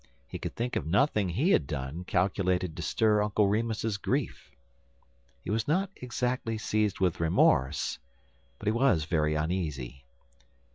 He could think of nothing he had done calculated to stir Uncle Remus's grief. He was not exactly seized with remorse, but he was very uneasy.